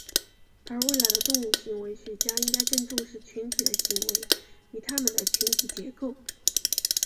而未来的动物行为学家应该更重视群体的行为与它们的群体结构。